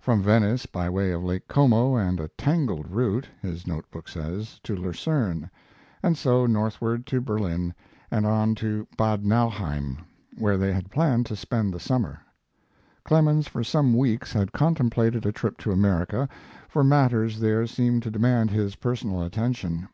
From Venice, by way of Lake Como and "a tangled route" (his note book says) to Lucerne, and so northward to Berlin and on to Bad Nauheim, where they had planned to spend the summer. Clemens for some weeks had contemplated a trip to America, for matters there seemed to demand his personal attention.